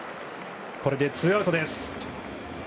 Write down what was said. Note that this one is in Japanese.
これでツーアウトです。